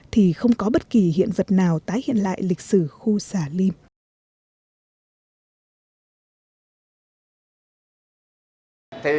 thì không có bất kỳ hiện vật nào tái hiện lại lịch sử khu xà lim